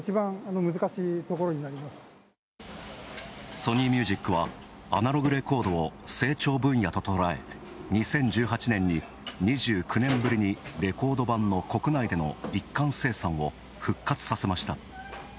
ソニーミュージックはアナログレコードを成長分野と捉え、２０１８年に、２９年ぶりにレコード盤の国内での一貫生産を復活させました。